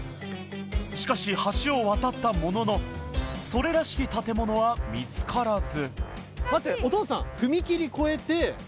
しかし橋を渡ったもののそれらしき建物は見つからず待ってお父さん。